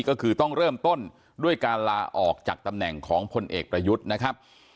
ก็คือต้องเริ่มต้นด้วยการลาออกจากตำแหน่งของพลเอกประยุทธ์นะครับ